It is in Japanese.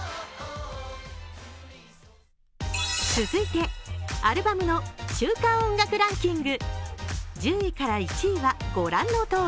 続いてアルバムの週間音楽ランキング。